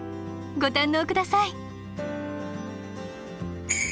ご堪能下さい。